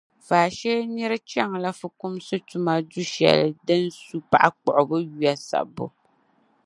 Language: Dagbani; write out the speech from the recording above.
Faashee nir’ chaŋla fukumsi tuma du’ shɛli din su paɣ’ kpuɣibo yuya sabbu.